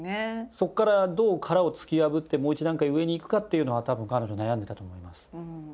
そこからどう殻を突き破ってもう一段階上に行くかっていうのは多分彼女悩んでたと思います。